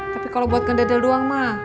tapi kalau buat gendedel doang mak